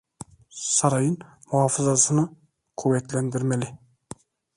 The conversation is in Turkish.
Sarayın muhafazasını kuvvetlendirmeli…